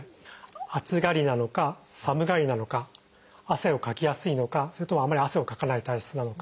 暑がりなのか寒がりなのか汗をかきやすいのかそれともあんまり汗をかかない体質なのか。